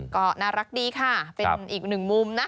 ก็น่ารักดีค่ะเป็นอีกหนึ่งมุมนะ